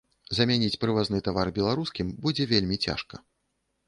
Замяніць прывазны тавар беларускім будзе вельмі цяжка.